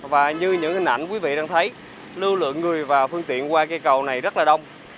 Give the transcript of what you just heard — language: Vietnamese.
và như những hình ảnh quý vị đang thấy lưu lượng người và phương tiện qua cây cầu này rất là đông